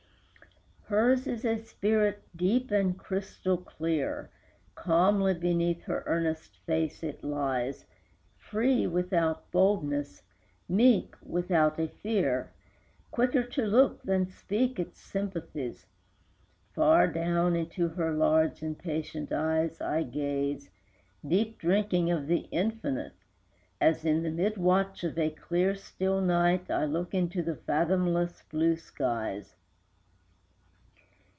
Hers is a spirit deep, and crystal clear, Calmly beneath her earnest face it lies, Free without boldness, meek without a fear, Quicker to look than speak its sympathies; Far down into her large and patient eyes I gaze, deep drinking of the infinite, As, in the mid watch of a clear, still night, I look into the fathomless blue skies.